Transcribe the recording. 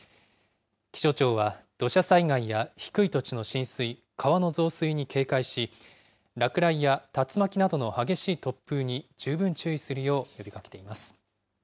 気象庁は土砂災害や低い土地の浸水、川の増水に警戒し、落雷や竜巻などの激しい突風に十分注意するよう呼びかけています。